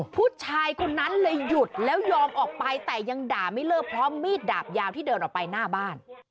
ผู้ชายคนนั้นเลยหยุดแล้วยอมออกไปแต่ยังด่าไม่เลิกพร้อมมีดดาบยาวที่เดินออกไปหน้าบ้าน